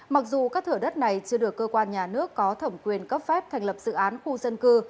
mặc dù các thửa đất này chưa được cơ quan nhà nước có thẩm quyền cấp phép thành lập dự án khu dân cư